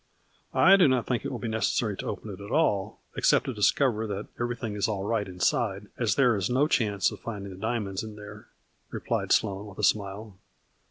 " I do not think it will be necessary to open it all, except to discover that everything is all right inside, as there is no chance of finding the diamonds in there," replied Sloane with a smile.